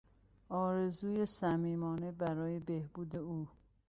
آرزوی صمیمانه برای بهبود او